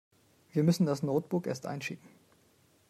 Wir müssten das Notebook erst einschicken.